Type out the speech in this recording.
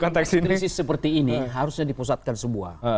kalau dalam kondisi krisis seperti ini harusnya dipusatkan sebuah